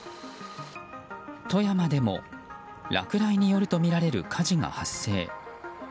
富山でも落雷によるとみられる火事が発生。